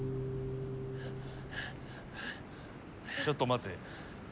ちょっと待て。